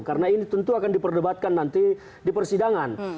karena ini tentu akan diperdebatkan nanti di persidangan